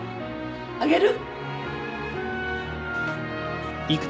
あげる。